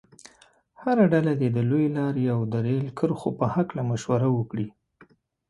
هره ډله دې د لویې لارې او د ریل کرښو په هلکه مشوره وکړي.